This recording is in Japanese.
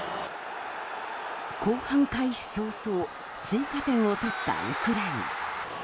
後半開始早々追加点を取ったウクライナ。